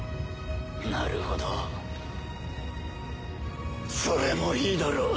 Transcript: なるほどそれもいいだろう。